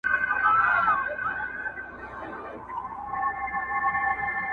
نو به ګورې چي نړۍ دي د شاهي تاج در پرسر کي,